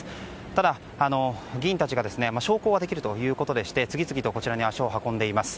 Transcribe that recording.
ただ、議員たちが焼香はできるということで次々とこちらに足を運んでいます。